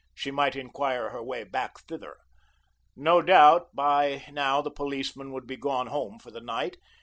She might inquire her way back thither. No doubt, by now the policeman would be gone home for the night.